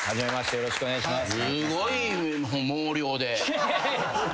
よろしくお願いします。